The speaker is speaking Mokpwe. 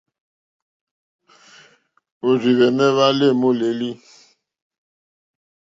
Òrzìhwɛ̀mɛ́ hwá lê môlélí.